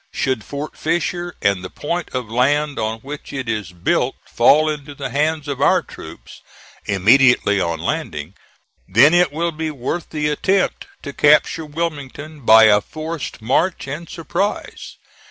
Should Fort Fisher and the point of land on which it is built fall into the hands of our troops immediately on landing, then it will be worth the attempt to capture Wilmington by a forced march and surprise.